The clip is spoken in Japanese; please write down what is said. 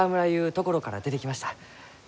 ところから出てきました。